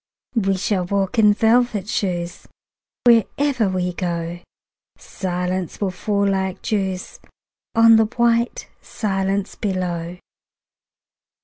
We shall walk in velvet shoes: Wherever we go Silence will fall like dews On white silence below.